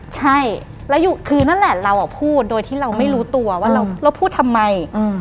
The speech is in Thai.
ใช่แล้วคือนั่นแหละเราพูดโดยที่เราไม่รู้ตัวว่าเราพูดทำไม